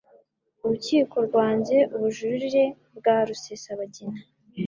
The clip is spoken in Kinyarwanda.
Urukiko rwanze ubujurire bwa Rusesabagina